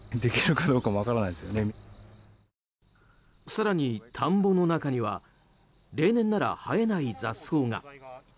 更に田んぼの中には例年なら生えない雑草が。